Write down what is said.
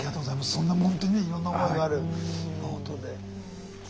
そんなほんとにねいろんな思いのあるノートで。